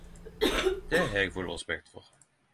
Det har eg full respekt for..